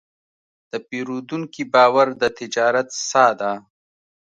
د پیرودونکي باور د تجارت ساه ده.